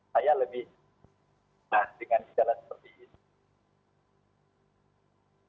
saya lebih setah dengan segala seperti ini